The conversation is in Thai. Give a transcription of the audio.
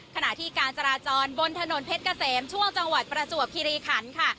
ขณะที่การจราจรบนถนนเพชรเกษมช่วงจังหวัดประจวบคิริขันค่ะ